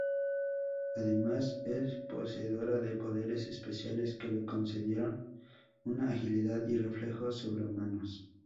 Además es poseedora de poderes especiales que le concedieron una agilidad y reflejos sobrehumanos.